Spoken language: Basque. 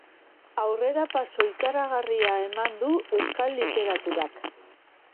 Aurrerapauso ikaragarria eman du euskal literaturak.